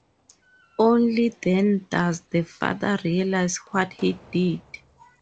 Only then does the father realise what he did.